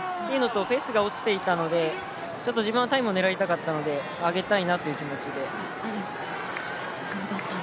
ペースが落ちていたので自分はタイムを狙いたかったので上げたいという気持ちでした。